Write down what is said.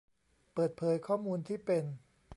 เปิดเผยข้อมูลที่เป็น